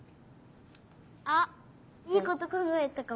あっいいことかんがえたかも。